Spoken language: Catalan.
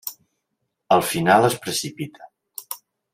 El final es precipita.